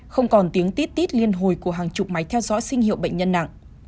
không còn tiếng tiết tít liên hồi của hàng chục máy theo dõi sinh hiệu bệnh nhân nặng